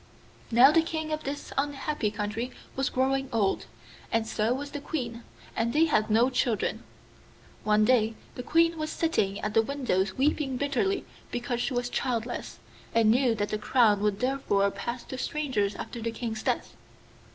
Now the King of this unhappy country was growing old, and so was the Queen, and they had no children. One day the Queen was sitting at the window weeping bitterly because she was childless, and knew that the crown would therefore pass to strangers after the King's death.